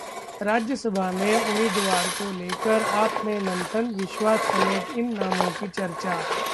राज्यसभा में उम्मीदवारी को लेकर 'आप' में मंथन, विश्वास समेत इन नामों की चर्चा